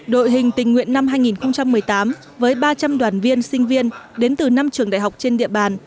đội hình tình nguyện năm hai nghìn một mươi tám với ba trăm linh đoàn viên sinh viên đến từ năm trường đại học trên địa bàn